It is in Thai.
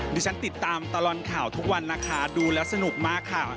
ฉันติดตามตลอดข่าวทุกวันนะคะดูแล้วสนุกมากค่ะ